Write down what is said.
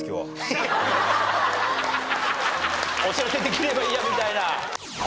お知らせできればいいやみたいな。